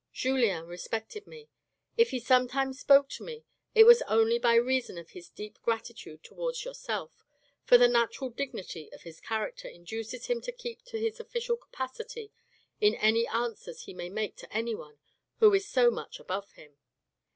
" Julien respected me. If he sometimes spoke to me, it was only by reason of his deep gratitude towards yourself, for the natural dignity of his character induces him to keep to his official capacity in any answers he may make to anyone who is so much above him.